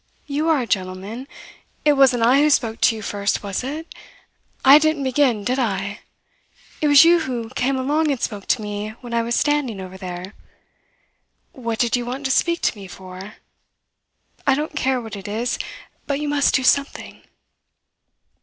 You are a gentleman. It wasn't I who spoke to you first, was it? I didn't begin, did I? It was you who came along and spoke to me when I was standing over there. What did you want to speak to me for? I don't care what it is, but you must do something."